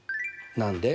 「何で？」